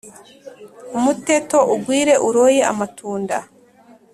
umuteto ugwire uroye amatunda